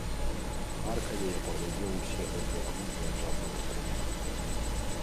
Харкаве я паглядзеў усе гэтыя клубныя джазавыя конкурсы.